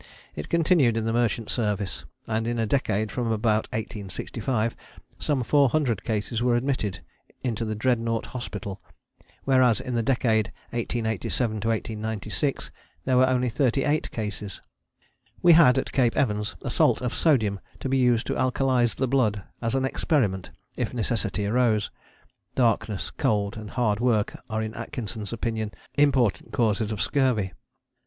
It continued in the Merchant Service, and in a decade from about 1865 some 400 cases were admitted into the Dreadnought Hospital, whereas in the decade 1887 to 1896 there were only 38 cases. We had, at Cape Evans, a salt of sodium to be used to alkalize the blood as an experiment, if necessity arose. Darkness, cold, and hard work are in Atkinson's opinion important causes of scurvy.